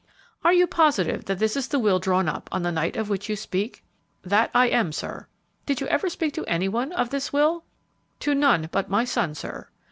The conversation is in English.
"Are you positive that this is the will drawn up on the night of which you speak?" "That I am, sir." "Did you ever speak to any one of this will?" "To none but my son, sir.